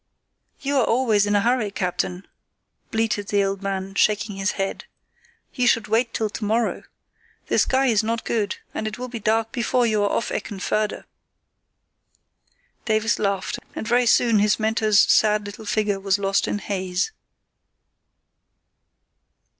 "You are always in a hurry, captain," bleated the old man, shaking his head. "You should wait till to morrow. The sky is not good, and it will be dark before you are off Eckenförde." Davies laughed, and very soon his mentor's sad little figure was lost in haze.